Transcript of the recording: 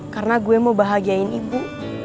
karena gue mau bahagiain ibu